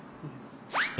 え？